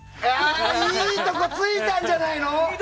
いいところ突いたんじゃないの！